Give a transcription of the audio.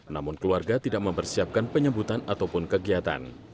namun keluarga tidak mempersiapkan penyebutan ataupun kegiatan